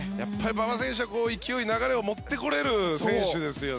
馬場選手は勢い、流れを持ってこれる選手ですよね。